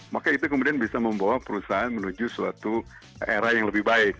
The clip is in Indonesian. maka itu kemudian bisa membawa perusahaan menuju suatu era yang lebih baik